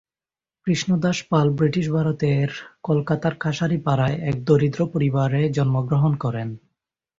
Krishnadas Pal British ভারতের কলকাতার কাঁসারিপাড়ায় এক দরিদ্র পরিবারে জন্ম গ্রহণ করেন।